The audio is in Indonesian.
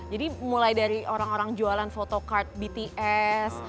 jadi mulai dari orang orang jualan photocard bts